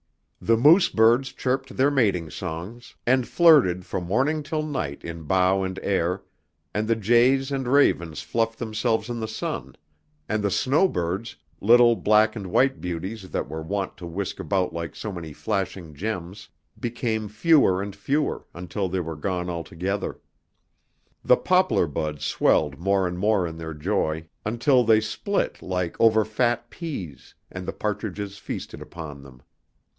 The moose birds chirped their mating songs and flirted from morning till night in bough and air, and the jays and ravens fluffed themselves in the sun, and the snowbirds, little black and white beauties that were wont to whisk about like so many flashing gems, became fewer and fewer, until they were gone altogether. The poplar buds swelled more and more in their joy, until they split like over fat peas, and the partridges feasted upon them.